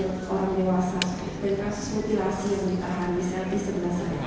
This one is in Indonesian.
orang dewasa dan kasus mutilasi yang ditahan di sel di sebelah sana